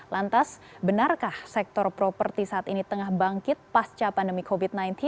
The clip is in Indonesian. lantas benarkah sektor properti saat ini tengah bangkit pasca pandemi covid sembilan belas